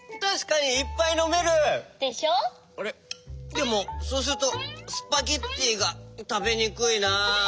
でもそうするとスパゲッティがたべにくいな。